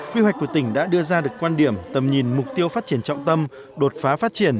quy hoạch của tỉnh đã đưa ra được quan điểm tầm nhìn mục tiêu phát triển trọng tâm đột phá phát triển